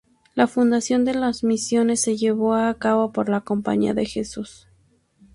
La fundación de las misiones se llevó a cabo por la Compañía de Jesús.